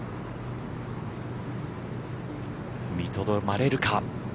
踏みとどまれるか。